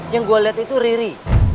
yang gue liat itu riri